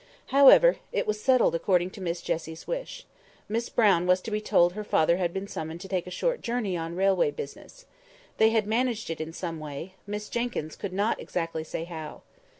However, it was settled according to Miss Jessie's wish. Miss Brown was to be told her father had been summoned to take a short journey on railway business. They had managed it in some way—Miss Jenkyns could not exactly say how.